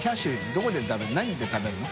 どこで食べるの？